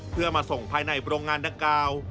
เพื่อมาส่งภายในโรงงานดังกล่าว